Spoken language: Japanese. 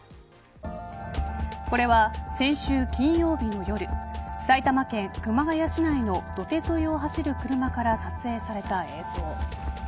これは、先週金曜日の夜埼玉県熊谷市内の土手沿いを走る車から撮影された映像。